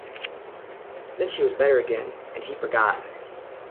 Then she was better again, and he forgot.